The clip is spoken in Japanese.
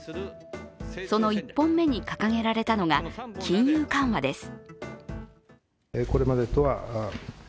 その１本目に掲げられたのが金融緩和です。